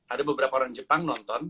ada beberapa orang jepang nonton